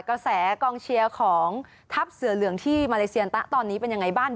กระแสกองเชียร์ของทัพเสือเหลืองที่มาเลเซียตะตอนนี้เป็นยังไงบ้าง